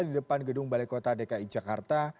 di depan gedung balai kota dki jakarta